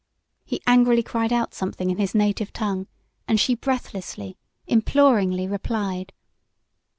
He angrily cried out something in his native tongue and she breathlessly, imploringly replied.